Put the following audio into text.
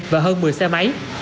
và hơn một mươi xe máy